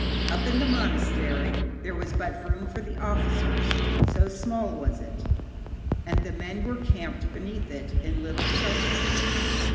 Up in the monastery there was but room for the officers, so small was it, and the men were camped beneath it in little shelters.